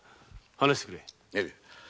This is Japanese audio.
話してくれ。